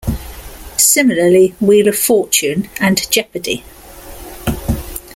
Similarly, "Wheel of Fortune" and "Jeopardy!